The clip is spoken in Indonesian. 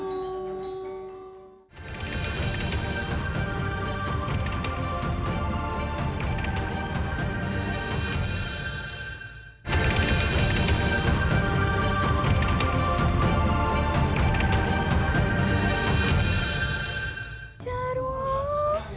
untuk bercerai songpeng